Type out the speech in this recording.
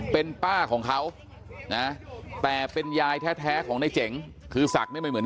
เป็นป้าของเขานะแต่เป็นยายแท้ของในเจ๋งคือศักดิ์เนี่ยไม่เหมือน